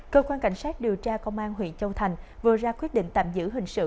cơ quan cảnh sát điều tra công an huyện châu thành vừa ra quyết định tạm giữ hình sự